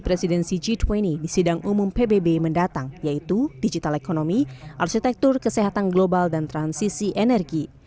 presidensi g dua puluh di sidang umum pbb mendatang yaitu digital ekonomi arsitektur kesehatan global dan transisi energi